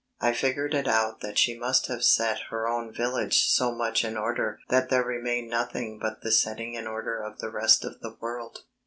I figured it out that she must have set her own village so much in order that there remained nothing but the setting in order of the rest of the world.